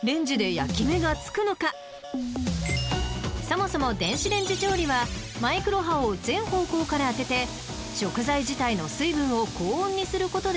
［そもそも電子レンジ調理はマイクロ波を全方向から当てて食材自体の水分を高温にすることで加熱している］